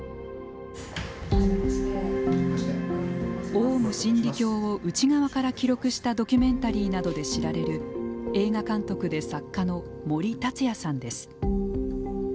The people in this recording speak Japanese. オウム真理教を内側から記録したドキュメンタリーなどで知られる映画監督で作家の森達也さんです。